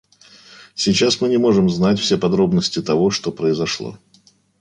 Сейчас мы не можем знать все подробности того, что произошло.